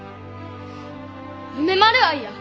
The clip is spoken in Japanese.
梅丸愛や。